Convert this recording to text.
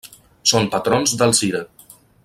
Són patrons d'Alzira.